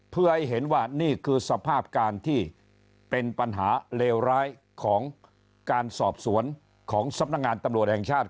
เพื่อให้เห็นว่านี่คือสภาพการที่เป็นปัญหาเลวร้ายของการสอบสวนของสำนักงานตำรวจแห่งชาติ